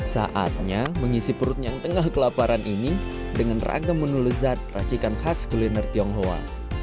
saatnya mengisi perut yang tengah kelaparan ini dengan ragam menu lezat racikan khas kuliner tionghoa